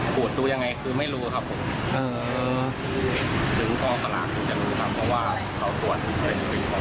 เพราะว่าเขาตรวจเป็นสแกนดูของเขาเอง